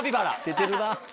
出てるな